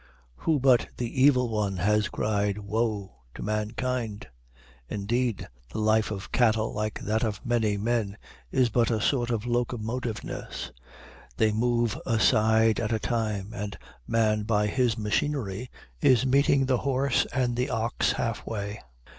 Who but the Evil One has cried, "Whoa!" to mankind? Indeed, the life of cattle, like that of many men, is but a sort of locomotiveness; they move a side at a time, and man, by his machinery, is meeting the horse and the ox half way.